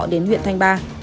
đến huyện thanh ba